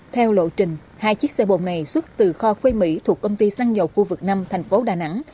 theo lộ trình hai chiếc xe bồn này xuất từ kho khuê mỹ thuộc công ty xăng dầu khu vực năm thành phố đà nẵng